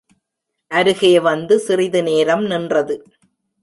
அருகே வந்து சிறிது நேரம் நின்றது.